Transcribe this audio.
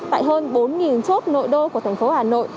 tại hơn bốn chốt nội đô của thành phố hà nội